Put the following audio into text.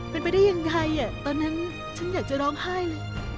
เป็นไปได้ยังไงตอนนั้นฉันอยากจะร้องไห้เลย